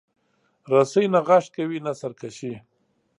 رسۍ نه غږ کوي، نه سرکشي.